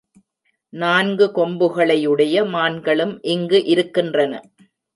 நான்கு கொம்புகளையுடைய மான்களும் இங்கு இருக்கின்றன.